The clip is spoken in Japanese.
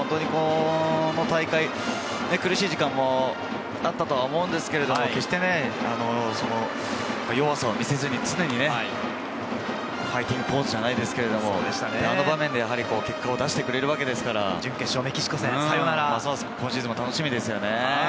この大会、苦しい時間もあったと思うんですけれど、決して弱さを見せずに常にファイティングポーズじゃないですけれど、あの場面で結果を出してくれるわけですから、ますます今シーズンも楽しみですよね。